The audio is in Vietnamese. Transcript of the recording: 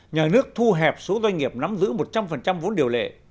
nhà nước thu hẹp số doanh nghiệp nắm giữ một trăm linh vốn điều lệ